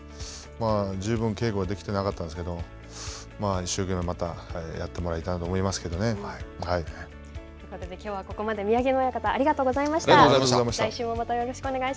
十分稽古ができてなかったんですけど、一生懸命またやってもらいたいなと思いますけどね。ということできょうはここまで宮城野親方、ありがとうございまありがとうございました。